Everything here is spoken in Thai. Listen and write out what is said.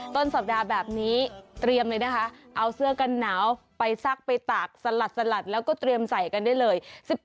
ต้นสัปดาห์แบบนี้เตรียมเลยนะคะเอาเสื้อกันหนาวไปซักไปตากสลัดแล้วก็เตรียมใส่กันได้เลย